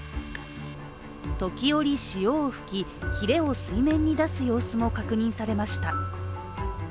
時折、潮を噴き、ひれを水面に出す様子も確認されました。